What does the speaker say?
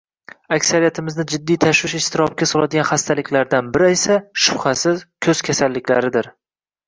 Aksariyatimizni jiddiy tashvish-iztirobga soladigan xastaliklardan biri esa, shubhasiz, ko‘z kasalliklardir